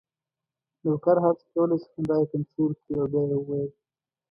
نوکر هڅه کوله چې خندا یې کنټرول کړي او بیا یې وویل: